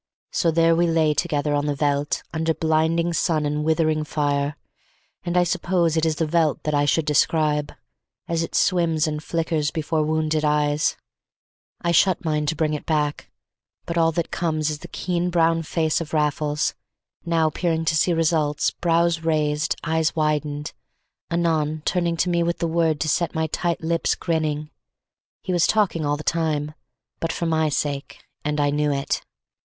So there we lay together on the veldt, under blinding sun and withering fire, and I suppose it is the veldt that I should describe, as it swims and flickers before wounded eyes. I shut mine to bring it back, but all that comes is the keen brown face of Raffles, still a shade paler than its wont; now bending to sight and fire; now peering to see results, brows raised, eyes widened; anon turning to me with the word to set my tight lips grinning. He was talking all the time, but for my sake, and I knew it.